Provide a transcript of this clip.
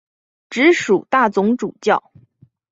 直属大总主教。